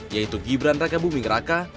yaitu gibran raka buming raka